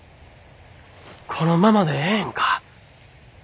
このままでええんか。